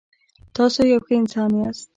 تاسو یو ښه انسان یاست.